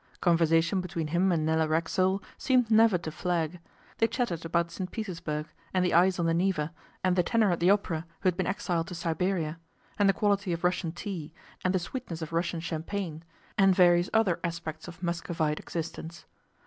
Conversation between him and Nella Racksole seemed never to flag. They chattered about St Petersburg, and the ice on the Neva, and the tenor at the opera who had been exiled to Siberia, and the quality of Russian tea, and the sweetness of Russian champagne, and various other aspects of Muscovite existence.